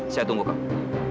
saya tunggu kamu